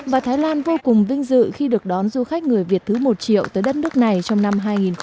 và thái lan vô cùng vinh dự khi được đón du khách người việt thứ một triệu tới đất nước này trong năm hai nghìn một mươi chín